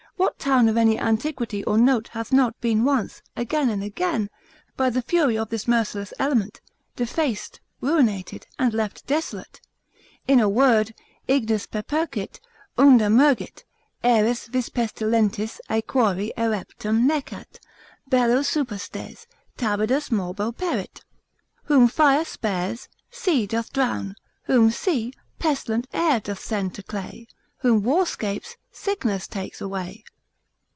What town of any antiquity or note hath not been once, again and again, by the fury of this merciless element, defaced, ruinated, and left desolate? In a word, Ignis pepercit, unda mergit, aeris Vis pestilentis aequori ereptum necat, Bello superstes, tabidus morbo perit. Whom fire spares, sea doth drown; whom sea, Pestilent air doth send to clay; Whom war 'scapes, sickness takes away.